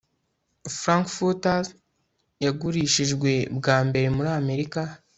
frankfurters yagurishijwe bwa mbere muri amerika